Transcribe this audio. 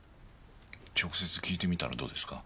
直接訊いてみたらどうですか？